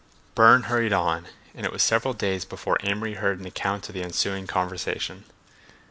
Burne hurried on, and it was several days before Amory heard an account of the ensuing conversation.